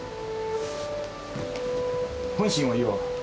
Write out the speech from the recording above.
本心を言おう。